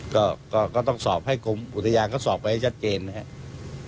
ก็ต้องสอบให้กรมอุทยาควรสอบไปให้เจียดเกณฑ์นะครับ